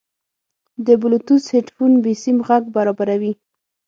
د بلوتوث هیډفون بېسیم غږ برابروي.